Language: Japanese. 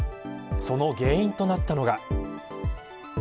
その原因となったのが。